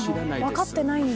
分かってないんだ。